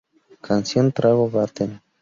Canción: "Trago Baten".